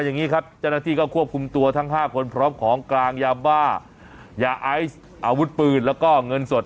อย่างนี้ครับเจ้าหน้าที่ก็ควบคุมตัวทั้ง๕คนพร้อมของกลางยาบ้ายาไอซ์อาวุธปืนแล้วก็เงินสด